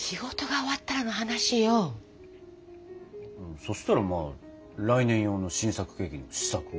そしたらまあ来年用の新作ケーキの試作を。